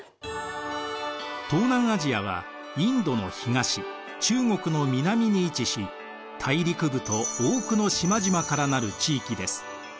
東南アジアはインドの東中国の南に位置し大陸部と多くの島々から成る地域です。